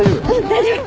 大丈夫。